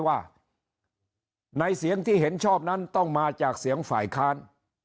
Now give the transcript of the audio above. ว่าในเสียงที่เห็นชอบนั้นต้องมาจากเสียงฝ่ายค้าน